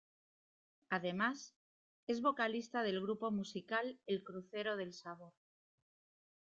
Además, es vocalista del grupo musical "El crucero del sabor".